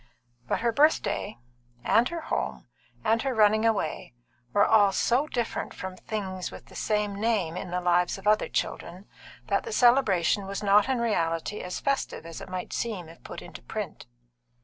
But her birthday, and her home, and her running away, were all so different from things with the same name in the lives of other children, that the celebration was not in reality as festive as it might seem if put into print.